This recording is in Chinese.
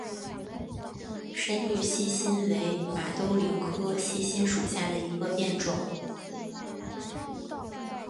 深绿细辛为马兜铃科细辛属下的一个变种。